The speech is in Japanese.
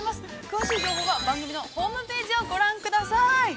詳しい情報は番組のホームページをご覧ください。